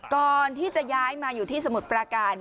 ก่อนที่จะย้ายมาอยู่ที่สมุทรปราการ